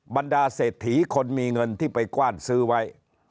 บรรดาเศรษฐีคนมีเงินที่ไปกว้านซื้อไว้